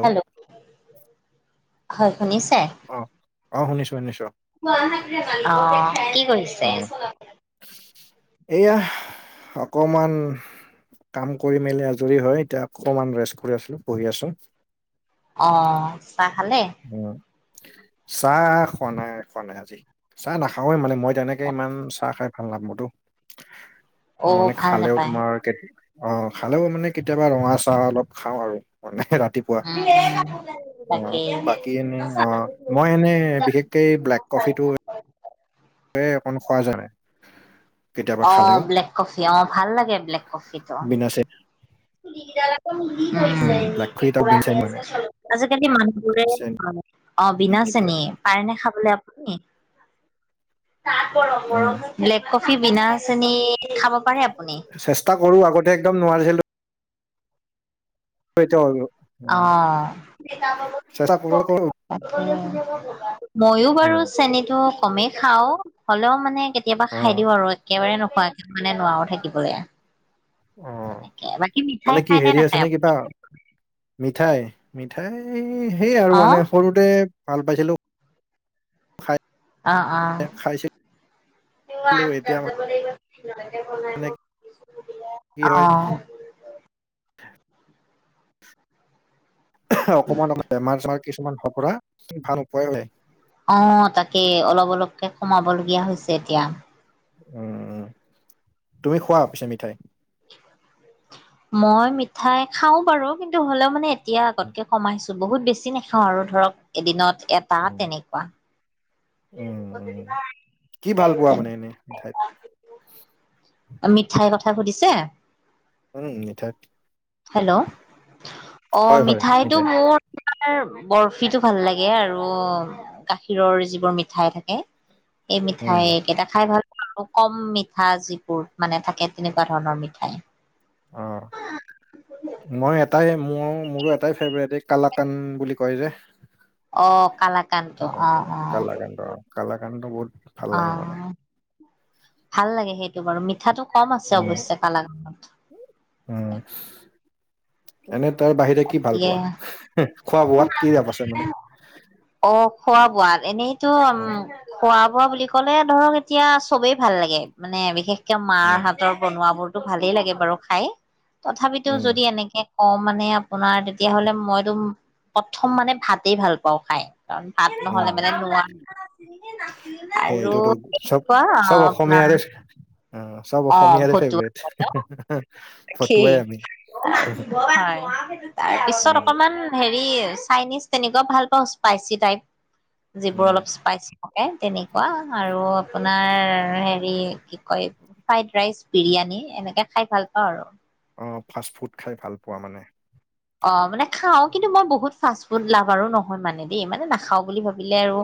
Hello হয় শুনিছে। অ', অ', শুনিছোঁ শুনিছোঁ। কি কৰিছে। এইয়া অকমান কাম কৰি মেলি আজৰি হয় এতিয়া অকমান ৰেষ্ট কৰি আছো পঢ়ি আছোঁ। অ', চাহ খালে। উম, চাহ খোৱা নাই, খোৱা নাই আজি চাহ নাখাওে মানে মই তেনেকে ইমান চাহ খাই ভাল নাপাওতো অ মানে ভাল খালেও নাপায় তোমাৰ কে অ', খালেও মানে কেতিয়াবা ৰঙা চাহ অলপ খাওঁ আৰু মানে ৰাতিপুৱা অ তাকে। বাকী এনে অ', মই এনে বিশেষকে ব্লেক কফিটো ত অকণ খোৱা যায়। কেতিয়াবা খালেও অ', ব্লেক কফি অ', ভাল লাগে ব্লেক কফিতটো। আছে। ব্লেক কফি বিন চেনি মানে আজিকালি মানুহ বোৰে এই চেনি অ', বিনা নিদিয়া চেনি পায়নে খাবলৈ আপুনি। উম, ব্লেক কফি বিনা চেনি খাব পাৰে আপুনি। চেষ্টা কৰো আগতে একদম নোৱাৰিছিলো [unintelligible] অ'। চেষ্টা কৰো কৰো মইয়ো বাৰু চেনিটো কমেই খাও হলেও মানে কেতিয়াবা খাই অ', দিওঁ আৰু একেবাৰে নোখোৱা মানে নোৱাৰো থাকিবলৈ। অ', তেনেকে বাকী মিঠাই মানে কি খাই হেৰি আছে নাখায় নে আপুনি কিবা মিঠাই, মিঠাই সেই আৰু অ মানে সৰুতে ভাল পাইছিলোঁ। অ', অ'। খাইছিলো এতিয়া মানে কি হয় অ'। অকণমান আগতে বেমাৰ চেমাৰ কিছুমান হ'ব পৰা ভাল উপায় হয়। অ', তাকে অলপ-অলপকে কমাবলগীয়া হৈছে এতিয়া। উম, তুমি খোৱা পিছে মিঠাই? মই মিঠাই খাও বাৰু কিন্তু হ'লেও মানে এতিয়া আগতকে কমাইছো। বহুত বেছি নাখাওঁ আৰু ধৰক এদিনত এটা তেনেকুৱা। উম, উম, কি ভাল পোৱা মানে এনেই মিঠাইত? মিঠাইৰ কথা সুধিছে? উম, মিঠাই। হেল্লো, হয় অ', হয় মিঠাইটো মিঠাই মোৰ মানে বৰফিটো ভাল লাগে আৰু গাখীৰৰ যিবোৰ মিঠাই থাকে সেই উম, মিঠাই কেইটা খাই ভাল কম মিঠা যিবোৰ মানে থাকে তেনেকুৱা ধৰণৰ মিঠাই। অ, মই এটাই মোৰ, মোৰো এটাই ফেভৰেট এই কালাকান বুলি কয় যে। অ', কালাকানটো অ', অ', কালাকান অ, কালাকান অ বহুত ভাল লাগে মানে। অ'। ভাল লাগে সেইটো বাৰু মিঠাটো কম আছে উম অৱশ্যে কালাকানত। উম। এনে তাৰ বাহিৰে কি ভাল পোৱা? বাকী খোৱা-বোৱাত কি যাপ আছে মানে। অ, খোৱা-বোৱা এনেইতো উম অ খোৱা-বোৱা বুলি কলে ধৰক এতিয়া চবেই ভাল লাগে মানে বিশেষ মাৰ উম হাতৰ বনোৱ বোৰতো ভালেই লাগে বাৰু খাই তথাপিতো উম যদি এনেকে অ, মানে আপোনাৰ তেতিয়াহ'লে মইতো প্ৰথম মানে ভাতে ভাল পাওঁ খাই। ভাত উম নহলে বেলেগ নোৱাৰোঁ। আৰু সেইটোতো কি চব কোৱা চব আপোনাৰ। অসমীয়াৰে অ চব অ অসমীয়াৰে ফেভৰেট। খি ফটুৱাই আমি হয়, তাৰ পিছত উম অকমান হেৰি চাইনিজ তেনেকুৱা ভাল পাওঁ স্পাইচি টাইপ, যিবোৰ উম অলপ স্পাইচি। তেনেকুৱা আৰু আপোনাৰ হেৰি কি কয় ফ্ৰাইড ৰাইচ, বিৰিয়ানী এনেকে খাই ভাল পাওঁ আৰু। অ, ফাষ্ট ফুড খাই ভাল পোৱা মানে। অ, মানে খাও কিন্তু মই বহুত ফাষ্ট ফুড লাভাৰো আৰু নহয় মানে দেই মানে নাখাওঁ বুলি ভাবিলে আৰু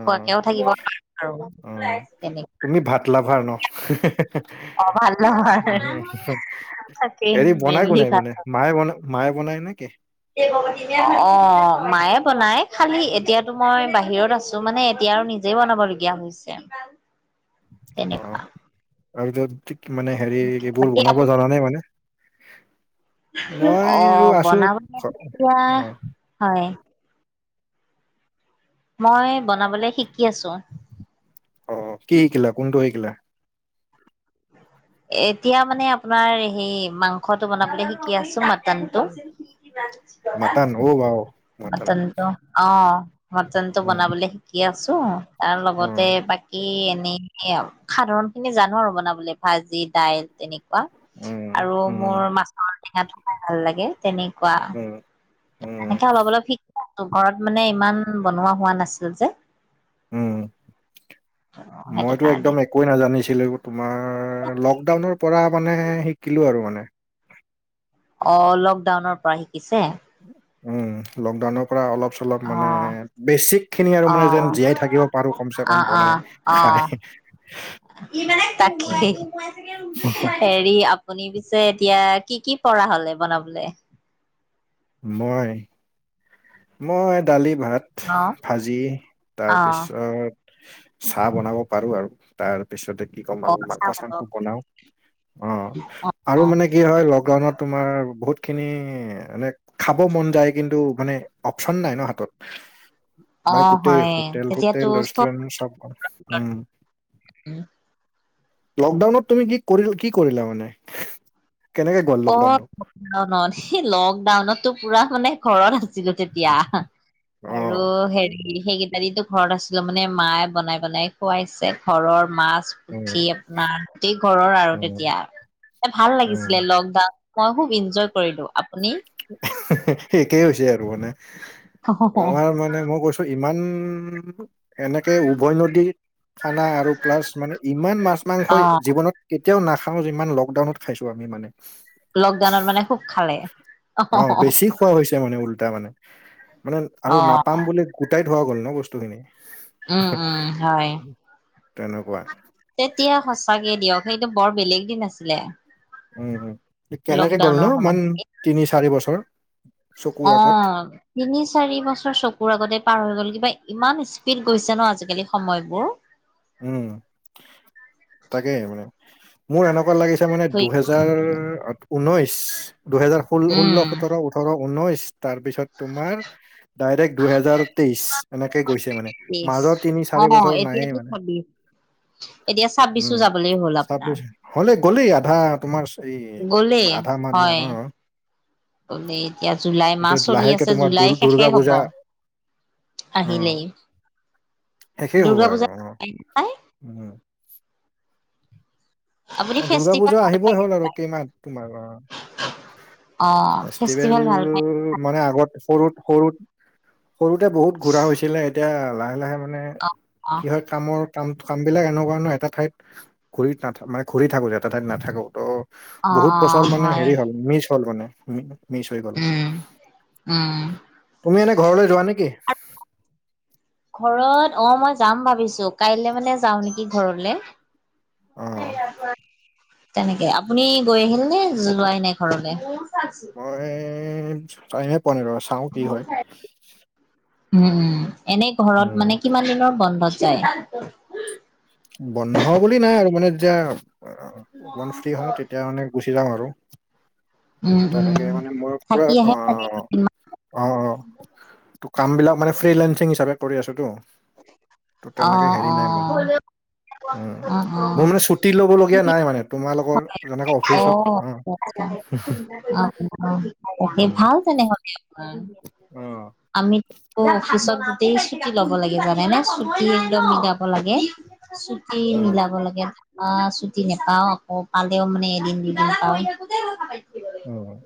অ থাকিব পাৰো অ আৰু তেনে তুমি ভাত লাভাৰ ন। অ ভাল নহয় তাকেই হেৰি বনাই মেইনলি ভাল কোনে-কোনে। মায়ে বন মায়ে বনায় নেকি? অ', মায়ে বনায় খালি এতিয়াতো মই বাহিৰত আছো মানে এতিয়া আৰু যে বনাবলগীয়া হৈছে। অ, তেনেকুৱা তাৰপিছত মানে হেৰি এইবোৰ বাকী বনাব আপুনি জানা নাই মানে? অ মই আৰু আছো বনাব এতিয়া অ। হয়। মই বনাবলৈ শিকি আছো। অ, কি শিকিলা কোনটো শিকিলা? এতিয়া মানে আপোনাৰ হসেই মাংসটো বনাবলৈ শিকি আছো মাত [inaudible] হ'ব বাৰু। মটনটো অঁ, মটনটো উম বনাবলে শিকি আছো তাৰ উম লগতে বাকী এনেই সাধাৰণ খিনি জানো আৰু বনাবলৈ ভাজি, দাইল তেনেকুৱা উম আৰু উম মোৰ মাছৰ টেঙাটো খাই ভাল লাগে তেনেকুৱা উম উম এনেকে অলপ-অলপ শিকো ঘৰত মানে ইমান বনোৱা হোৱা নাছিল যে। উম, সেইটো মইতো কাৰণে একদম কৈ নাজানিছিলোঁ তোমাৰ লকডাউনৰ পৰা মানে শিকিলোঁ আৰু মানে। অ'! লকডাউনৰ পৰা শিকিছে। উম! লকডাউনৰ পৰা, অলপ-চলপ মানে, অ', বেছিক খিনি আৰু মানে, যে জীয়াই থাকিব অ'। পাৰোঁ, কম চে কম অ', বনাই। অ', অ', খাই। [unintelligible] তাকে, হেৰি আ আপুনি পিছে, এতিয়া কি কি পৰা হ'লে বনাবলে? মই। মই, দালি-ভাত, অ', ভাজি। অ', তাৰপিছত, চাহ বনাব পাৰোঁ আৰু। তাৰপিছতে, কি ক'ম অ', আৰু চাহ বনাব মাংস-চাংস বনাওঁ। অ'! আৰু মানে কি হয়, লকডাউনত তোমাৰ, বহুত খিনি মানে, খাব মন যায়। কিন্তু মানে, অপচন নাই ন' হাতত। মানে, অ', গোটেই হয় তেতিয়াতো হোটেল-চোটেল, ৰেষ্টুৰেণ্ট চব অফ। উম! লকডাউনত তুমি, কি কৰি, কি কৰিলা মানে? কেনেকে গ'ল অ'! লকডাউনটো সেই, লকডাউনতো পূৰা মানে ঘৰত আছিলোঁ। তেতিয়া অ আৰু হেৰি, সেই এদিননো ঘৰত আছিলোঁ মানে, মায়ে বনাই-বনাই খুৱাইছে, ঘৰৰ মাছ। উম উঠি আপোনাৰ, গোটেই ঘৰৰ আৰু উম তেতিয়া, এ, ভাল উম লাগিছিলে, লগ মই খুউব এনজয় কৰিলোঁ। আপুনি? [unintelligible] একেই হৈছে আৰু মানে। আমাৰ মানে, মই কৈছোঁ! ইমান এনেকে, উভয় নদীৰ খানা আৰু প্লাছ মানে, ইমান অ মাছ-মাংসই জীৱনত কেতিয়াও নাখাওঁ। যিমান লকডাউনত খাইছোঁ, আমি মানে। লকডাউনত মানে, খুউব খালে? অ'! বেছি খোৱা হৈছে মানে, উল্টা মানে। মানে, আৰু অ নাপাম বুলি, কুটাই থোৱা গ'ল ন' বস্তু খিনি। উম উম হয় [unintelligible] তেনেকুৱা? তেতিয়া, সঁচাকে দিয়ক, সেইটো বৰ বেলেগ দিন আছিলে। উম, উম, কেনেকে লকডাউনৰ গ'লনো, সময় ইমান তিনি-চাৰি বছৰ? চকুৰ আগত অ'! তিনি- চাৰি বছৰ চকুৰ আগতে, পাৰ হৈ গ'ল। কিবা ইমান, স্পীড গৈছে ন' আজিকালি সময়বোৰ? উম! তাকে মানে, মোৰ এনেকুৱা লাগিছে মানে, ধৰি দুহেজাৰ ঊনৈশ। দুহেজাৰ ষোল্ল, উম ষোল্ল- সোঁতৰ, ওঠৰ-ঊনৈশ। তাৰ পিছত, তোমাৰ ডাইৰেক্ট, দুহেজাৰ তেইশ এনেকে, গৈছে মানে। বিছ মাজৰ অ তিনি-চাৰি বছৰ নাইয়ে এতিয়াতো মানে। ছাব্বিশ এতিয়া চাব্বিছো উম যাবলৈ হ'ল, আপোনাৰ। ছাব্বিশ হ'লে, গ'লেই আধা। তোমাৰ, এই আধা মানুহ, অ'! বোলে, এতিয়া জুলাই মাহ এতিয়া চলি লাহেকে আছে, তোমাৰ দু জুলাই দুৰ্গা শেষেই হ'ব। পূজা অ আহিলেই, শেষেই হ'ব দুৰ্গা আৰু পূজা, অ [unintelligible] উম! আপুনি অ'! দুৰ্গা ফেষ্টিভেল পুজা ভাল আহিবই পায় হ'ল আৰু কেইমাহ তোমাৰ আৰু! অ ফেষ্টিভেল ভাল পায় মানে, আগত সৰুত-সৰুত, সৰুতে বহুত ঘূৰা হৈছিলে। এতিয়া, লাহে-লাহে মানে, অ অ কি হয়, কামৰ, কাম-কামবিলাক এনেকুৱা নহয়, এটা ঠাইত, [unintelligible] ঘূৰি থাকোঁ, এটা ঠাইত নাথাকোঁ। ত' অ বহুত অ বছৰ মানে, হয় হেৰি হ'ল, মিচ হ'ল মানে। মিছ হৈ গ'ল। উম উম তুমি এনে ঘৰলৈ যোৱা নেকি? ঘৰত, অ'! মই যাম ভাবিছোঁ! কাইলৈ মানে, যাওঁ নেকি ঘৰলে। অ তেনেকে, আপুনি গৈ আহিল নে, যোৱাই নাই? ঘৰলে। মই টাইমে পোৱা নাই, ৰ' চাওঁ কি হয়! উম! এনেই, উম ঘৰত মানে, কিমান দিনৰ বন্ধত যায়? বন্ধ বুলি নাই আৰু মানে যেতিয়া ফ্ৰী হওঁ তেতিয়া মানে গুচি যাওঁ আৰু উম তেনেকে উম মানে মই পুৰা থাকি আহে চাগে আহ কেইদিনমান অ', অ', ত' কাম বিলাক মানে ফ্ৰী লেঞ্চিং হিচাপে কৰি আছো তো। ত অ 'তেনেকে হেৰি অ নাই মানে। অ উম, মোৰ মানে ছুটি ল'ব লগীয়া নাই মানে। তোমালোকৰ যেনেকে অফিচত অ'। অ', অ', তাকেই উম ভাল তেনেহলে অ'। অ'। আমি অ', অফিচত গোটেই ছুটি ল'ব লাগে জানে ন ছুটি একদম মিলাব লাগে। ছুটি উম মিলাব লাগে আ ছুটি নেপাওঁ। অ', পালেও মানে হেৰি দে পাওঁ। উম।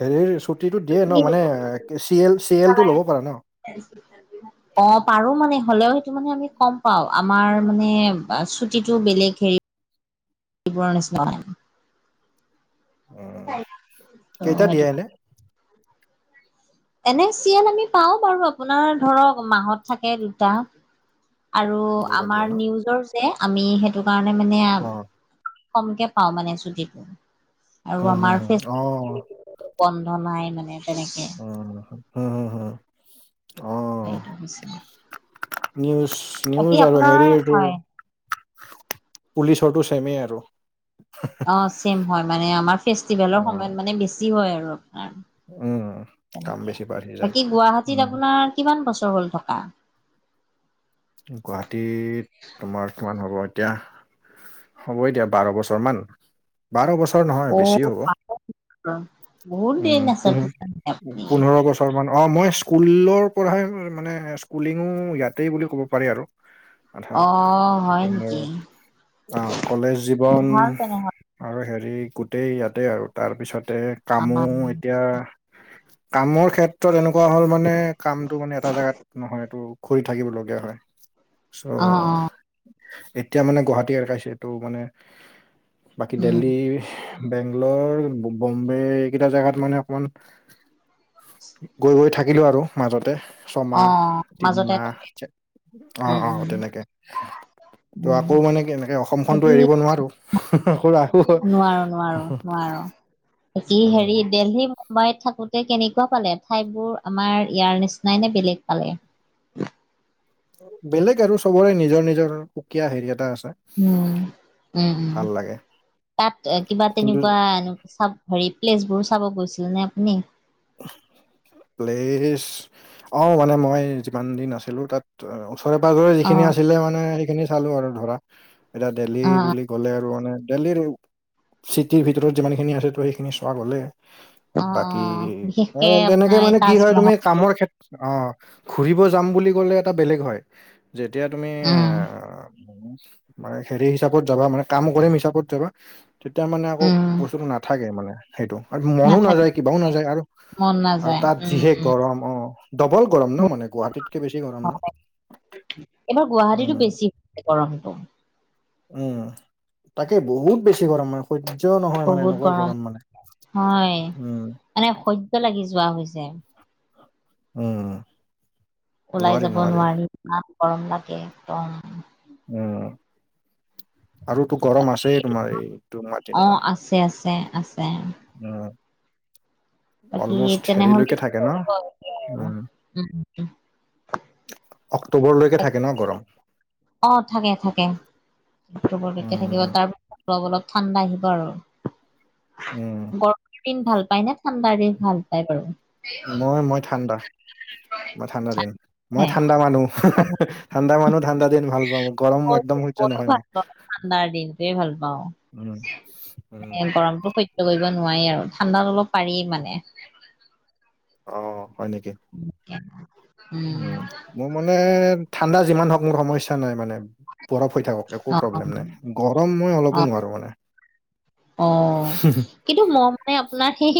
হেৰিৰ ছুটীটো দিয়ে ন মানে চি এল চি এল টো ল'ব পাৰা ন। [inaudible] অ', পাৰো মানে হ'লেও সেইটো মানে আমি কম পাওঁ আমাৰ মানে ছুটিটো বেলেগ হেৰি। [unintelligible] ক্ৰী কৰা নিচিনা হয় উম, তো কেইটা দিয়ে সেইটো। এনে? এনে চিএমল আমি পাওঁ বাৰু আপোনাৰ ধৰক মাহত থাকে দুটা। আৰু দুটা দিয়ে আমাৰ ন? নিউজৰ যে আমি সেইটো কাৰণে মানে অ', কমকে পাঊও মানে চুটি উম, হুম, হুম অ'। বন্ধ নাই মানে তেনেকে। উ, হম হু হু। অ', হেৰিটো হৈছে। নিউজ বাকী নিউজ আৰু আপোনাৰ হেৰিটো। হয় পুলিচৰটো চেমেই আৰু। অ', ছেম হয় মানে আমাৰ ফেষ্টিভেলৰ উম, সময়ত মানে বেছি হয় আৰু। উম, কাম বেছি বাঢ়ি যায়। বাকী উম, গুৱাহাটীত আপোনাৰ কিমান বছৰ হ'ল থকা? গুৱাহাটীত তোমাৰ কিমান হ'ব এতিয়া। হ'ব এতিয়া বাৰ বছৰ মান বাৰ বছৰ নহয় বেছি হ'ব। অ' বহুত দিন উম আছে তেতিয়াহ'লে আপুনি। পোন্ধৰ বছৰ। অকণমান অ', মই স্কুলৰ পৰাই মানে স্কুলিং ইয়াতেই বুলি ক'ব। পাৰি আৰু। আধা অ' হয় মোৰ নেকি? আহ কলেজ জীৱন। ভাল তেনেহ'লে আৰু হেৰি গোটেই ইয়াতে আৰু তাৰ পিছতে কামো অ' এতিয়া কামৰ ক্ষেত্ৰ ক্ষেত্ৰত এনেকুৱা হ'ল মানে কামটো মানে এটা জেগাত নহয় এইটো ঘূৰি থাকিবলগীয়া হয়। চ' অ' এতিয়া মানে গুৱাহাটী একাইছে এই তটো মানে বাকী উম দেল্হী বেংগলৰ বম্বে এইকেইটা জেগাত মানে অকমান গৈ গৈ থাকিলোঁ আৰু মাজতে অ' ছমাহ মাজতে তিনিমাহ অ', উম অ', উম তেনেকে ত' উম আকৌ মানে এনেকে অসমখনতো বাকী এৰিব নোৱাৰোঁ। [unintelligible] কৰা। নোৱাৰো, নোৱাৰো, নোৱাৰো কি উম হেৰি দেল্হি কোইত থাকোতে কেনেকুৱা পালে ঠাইবোৰ আমাৰ ইয়াৰ নিচিনাই নে বেলেগ পালে। বেলেগ আৰু চবৰে নিজৰ নিজৰ সুকীয়া হেৰি এটা আছে। উম, উম, উম ভাল লাগে তাত কিবা কিন্তু তেনেকুৱা এনেকুৱা চাব হেৰি প্লেচ বোৰ চাব গৈছিল নে আপুনি? প্লেচ অ', মানে মই যিমান দিন আছিলোঁ তাত। ওজৰে পাজৰে অ যিখিনি আছিলে মানে সেইখিনি চালোঁ আৰু ধৰা এতিয়া দেল্হি অ বুলি। গ'লে আৰু মানে দেললিৰ চিটিৰ ভিতৰত যিমান খিনি আছেো সেইখিনি চোৱা গ'লে। অ অ বাকী, বিশেষকে অ' তেনেকে আপোনাৰ এই মানে কি হয় তুমি তাজমহলটো কামৰ ক্ষেত্ৰ অ' ঘুৰিব যাম বুলি ক'লে এটা বেলেগ হয়। যেতিয়া তুমি উম আহ মানে হেৰি হিচাপত যাবা মানে কাম কৰিম হিচাপত যাবা, তেতিয়া মানে আকৌ উম বস্তুটো নাথাকে মানে। সেইটো, আৰু মনো নাথাকি নাযায় কিবাও নাযায় আৰু। মন আৰু নাযায় তাত উম যিহে উম গৰম অ' ডবল গৰম ন বহুত মানে। গুৱাহাটীতকে বেছি গৰম ভাল ন? লাগে। এইবাৰ গুৱাহাটীতো উম বেছি হৈছে গৰমটো উম, তাকে বহুত বেছি গৰম মানে স হ্য নহয় মানে এনেকুৱা গৰম মানে। হয় উম মানে অসহ্য লাগি যোৱা হৈছে। উম। ওলাই যাব নোৱাৰি ইমান গৰম লাগে একদম। উম, আৰু তো গৰম আছে তোমাৰ এই দুমাহ অ তিনিমাহ। আছে, আছে, আছে। উম। বাকী অলম'ষ্ট তেনেহলে হেৰিলৈকে কি থাকে ন? কৰিব উম। উম অক্টোবৰলৈকে থাকে ন গৰম? অ' থাকে, থাকে। অক্টোবৰলৈকে থাকিব, উম তাৰপিছত অলপ অলপ ঠাণ্ডা আহিব আৰু। উম। গৰমৰ দিন ভাল পায় নে ঠাণ্ডাৰ দিন ভাল পায় বাৰু? মই মই ঠাণ্ডা মই ঠাণ্ডা দিন মই হে ঠাণ্ডা মানুহ। ঠাণ্ডা মানুহ ঠাণ্ডা দিন ভাল পাওঁ। গৰম একদম সহ্য ময়ও নহয় ভাল মোৰ পাওঁ ঠাণ্ডাৰ দিনটোৱে ভাল পাওঁ। উম উম গৰমতটো সহ্য কৰিব নোৱাৰি আৰু ঠাণ্ডাতো অলপ পাৰি মানে। অ', হয় নেকি? উ [unintelligible] উ মোৰ মানে ঠাণ্ডা যিমান হওঁক মোৰ সমস্যা নাই মানে। বৰফ হৈ থাকক একো অ প্ৰব্লেম নাই, গৰম মই অ অলপো নোৱাৰোঁ মানে। অ', হ [unintelligible] কিন্তু মই মানে আপোনাৰ সেই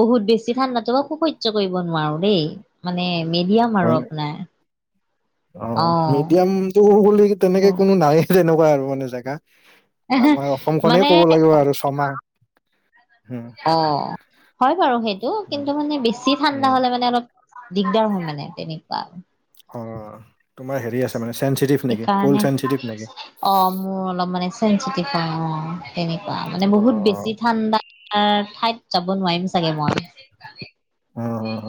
বহুত বেছি ঠাণ্ডাটো আকৌ সহ্য কৰিব নোৱাৰো দেই। মানে মিডিয়াম আৰু হয় আপোনাৰ। অ' মিডিয়ামটো বুলি তেনেকে কোনো নাই তেনেকুৱা আৰু মানে জেগা। আমাৰ অসমখনেই মানে ক'ব লাগিব আৰু ছমাহ। উম, অ' হয় বাৰু সেইটো, উম, কিন্তু মানে বেছি ঠাণ্ডা উম, হ'লে মানে অলপ দিগদাৰ হয় মানে, তেনেকুৱা আৰু। অ' তোমাৰ হেৰি আছে মানে চেনচিটিভ নেকি, সেইকাৰণে ক'ল চেনচিটিভ নেকি? অ' মোৰ অলপ মানে চেনচিটিভ অ' তেনেকুৱা মানে অ', বহুত বেছি ঠাণ্ডা অ' ঠাইত যাব নোৱাৰিম চাগে মই। উ, হ, হ।